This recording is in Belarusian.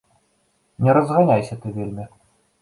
Не разганяйся ты вельмі!